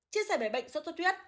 chia sẻ về bệnh sốt thu thuyết